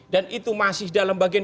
dan itu masih dalam bagian